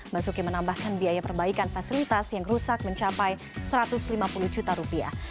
basuki menambahkan biaya perbaikan fasilitas yang rusak mencapai satu ratus lima puluh juta rupiah